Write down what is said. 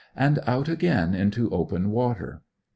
and out again into open water.